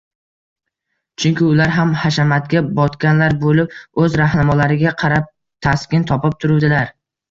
Chunki ular ham hashamatga botganlar bo‘lib, o‘z rahnamolariga qarab, taskin topib turuvdilar